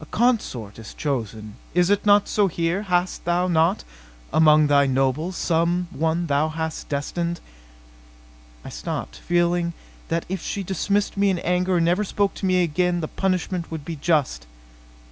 A consort is chosen. Is it not so here? Has thou not, among thy nobles, some one thou hast destined " I stopped, feeling that if she dismissed me in anger and never spoke to me again the punishment would be just.